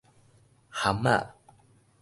蚶仔